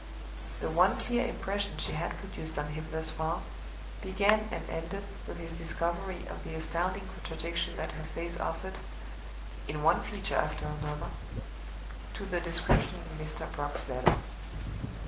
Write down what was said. The one clear impression she had produced on him thus far began and ended with his discovery of the astounding contradiction that her face offered, in one feature after another, to the description in Mr. Brock's letter.